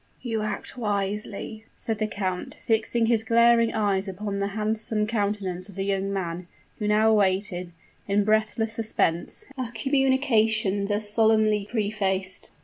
"You act wisely," said the count, fixing his glaring eyes upon the handsome countenance of the young man, who now awaited, in breathless suspense, a communication thus solemnly prefaced.